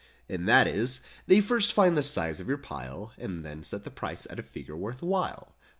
And that is: they first find the size of your pile And then set the price at a figure worth while.